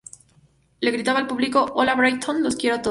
Le gritaba al público 'Hola Brighton, los quiero a todos.